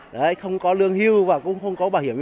đấy không có lương hưu và cũng không có bảo hiểm